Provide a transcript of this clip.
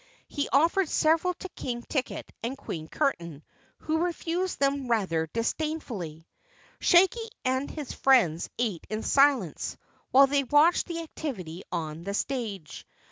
He offered several to King Ticket and Queen Curtain, who refused them rather disdainfully. Shaggy and his friends ate in silence while they watched the activity on the stage.